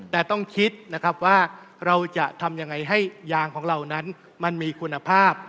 แต่ต้องคิดนะครับว่าเราจะทำยังไงให้ยางของเรานั้นมันมีคุณภาพ